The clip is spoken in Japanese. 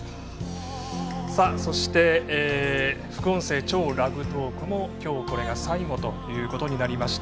そして副音声「＃超ラグトーク」も今日、これが最後ということになりました。